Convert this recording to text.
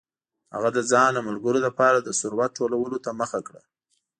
هغه د ځان او ملګرو لپاره د ثروت ټولولو ته مخه کړه.